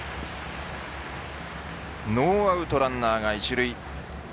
ノーアウトランナーが一塁。